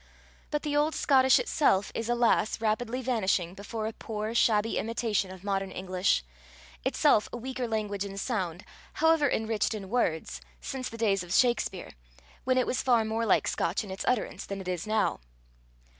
But the old Scotish itself is, alas! rapidly vanishing before a poor, shabby imitation of modern English itself a weaker language in sound, however enriched in words, since the days of Shakspere, when it was far more like Scotch in its utterance than it is now.